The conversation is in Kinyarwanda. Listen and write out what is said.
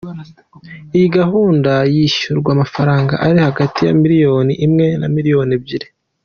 Iyi gahunda yishyurwa amafaranga ari hagati ya Miliyoni imwe na Miliyoni ebyiri.